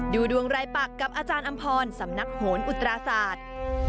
ดูดวงรายปักกับอาจารย์อำพรสำนักโหนอุตราศาสตร์